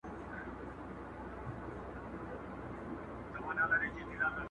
د سباوون ترانې وپاڅوم.!